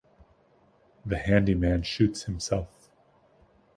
The Handyman shoots himself.